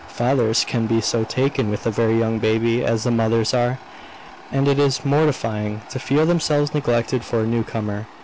Fathers cannot be so taken with a very young baby as the mothers are, and it is mortifying to feel themselves neglected for a newcomer.